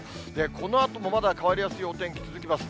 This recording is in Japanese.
このあともまだ変わりやすいお天気、続きます。